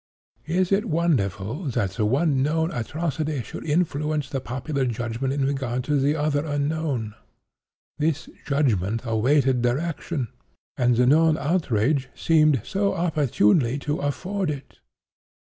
Is it wonderful that the one known atrocity should influence the popular judgment in regard to the other unknown? This judgment awaited direction, and the known outrage seemed so opportunely to afford it!